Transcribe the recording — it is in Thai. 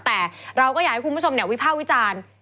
แต่เราก็อยากให้คุณผู้ชมวิภาควิจารณ์